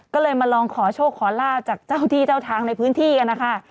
ก็เลยมาลองขอโชคขอลาบจากเจ้าที่เจ้าทางในพื้นที่กันนะคะ